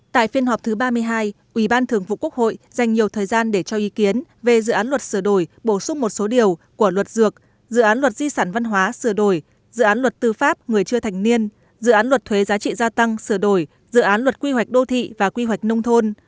tại phiên họp thứ ba mươi hai ủy ban thường vụ quốc hội dành nhiều thời gian để cho ý kiến về dự án luật sửa đổi bổ sung một số điều của luật dược dự án luật di sản văn hóa sửa đổi dự án luật tư pháp người chưa thành niên dự án luật thuế giá trị gia tăng sửa đổi dự án luật quy hoạch đô thị và quy hoạch nông thôn